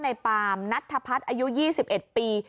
ในปามนัทธพัฒน์อายุ๒๑ปี